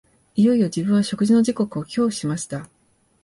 いよいよ自分は食事の時刻を恐怖しました